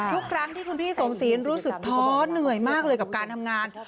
ทุกครั้งที่คุณพี่สมศีลรู้สึกท้อเหนื่อยมากเลยกับการทำงาน